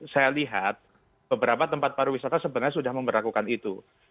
saya lihat beberapa tempat pariwisata sebenarnya sudah memperlakukan itu